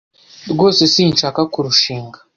Rwose sinshaka kurushinga.